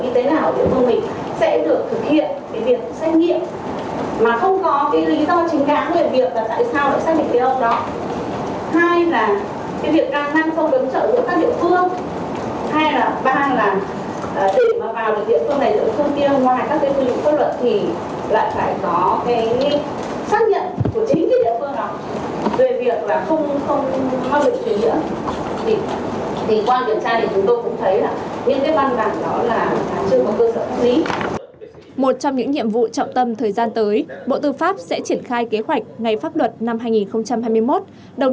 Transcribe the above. trong thời gian vừa qua các địa phương pháp luật lại phải có xác nhận của chính địa phương